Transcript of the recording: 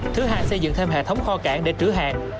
thứ hai xây dựng thêm hệ thống kho cảng để trữ hàng